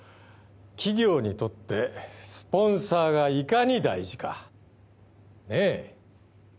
企業にとってスポンサーがいかに大事かねえ？